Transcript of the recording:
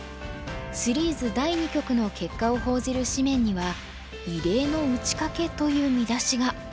シリーズ第２局の結果を報じる紙面には「異例の打ち掛け」という見出しが。